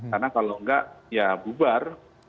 karena kalau enggak ya bubar